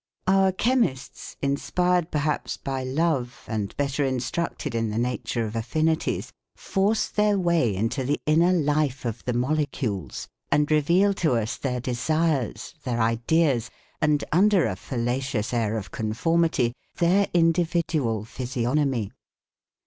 Our chemists, inspired perhaps by love and better instructed in the nature of affinities, force their way into the inner life of the molecules and reveal to us their desires, their ideas, and under a fallacious air of conformity, their individual physiognomy.